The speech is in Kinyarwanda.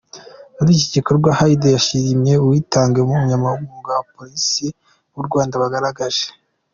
Muri iki gikorwa Hilde yashimye ubwitange n’ubunyamwuga abapolisi b’u Rwanda bagaragaje.